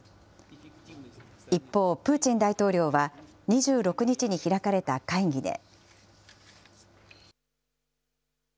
一方、プーチン大統領は２６日に開かれた会議で。